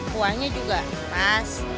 kuahnya juga pas